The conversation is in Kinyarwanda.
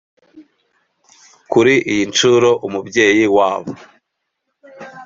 Kuri iyi nshuro umubyeyi wabo